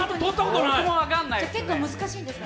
結構難しいんですか。